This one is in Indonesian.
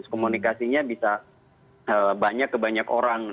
dan komunikasinya bisa banyak ke banyak orang